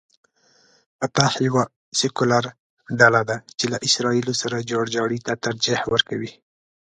فتح یوه سیکولر ډله ده چې له اسراییلو سره جوړجاړي ته ترجیح ورکوي.